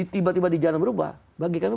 tiba tiba di jalan berubah bagi kami